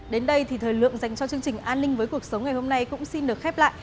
đến đây thì thời lượng dành cho chương trình an ninh với cuộc sống ngày hôm nay cũng xin được khép lại